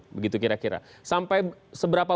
begitu kira kira sampai seberapa